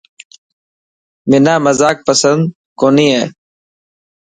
منا مزاڪ پسند ڪونه هي.